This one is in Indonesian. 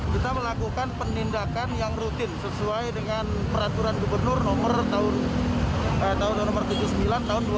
kita melakukan penindakan yang rutin sesuai dengan peraturan gubernur nomor tujuh puluh sembilan tahun dua ribu dua puluh